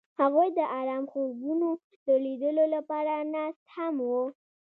هغوی د آرام خوبونو د لیدلو لپاره ناست هم وو.